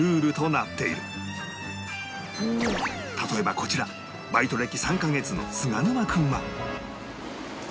例えばこちらバイト歴３カ月の菅沼君は